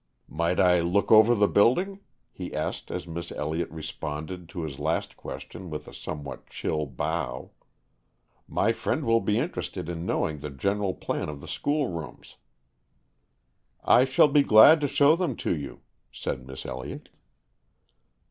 "Might I look over the building?" he asked as Miss Elliott responded to his last question with a somewhat chill bow. "My friend will be interested In knowing the general plan of the school rooms." "I shall be glad to show them to you." said Miss Elliott.